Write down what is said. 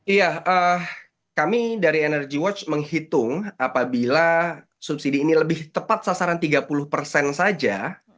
iya kami dari energy watch menghitung apabila subsidi ini lebih tepat sasaran tiga puluh persen saja